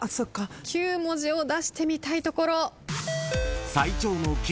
９文字を出してみたいところ。